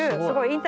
すごい。